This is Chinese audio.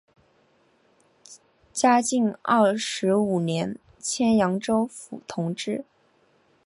嘉靖二十五年迁扬州府同知。